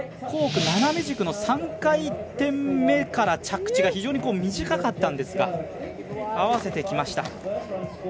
コーク、斜め軸の３回転目から着地が非常に短かったんですが合わせてきました。